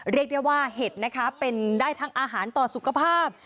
เรียกได้ว่าเห็ดนะคะเป็นได้ทั้งอาหารต่อสุขภาพ